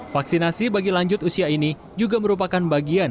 vaksinasi bagi lanjut usia ini juga merupakan bagian